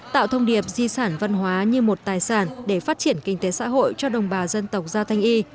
tạo thông điệp di sản văn hóa như một tài sản để phát triển kinh tế xã hội cho đồng bào dân tộc giao thanh y